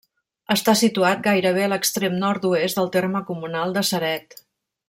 Està situat gairebé a l'extrem nord-oest del terme comunal de Ceret.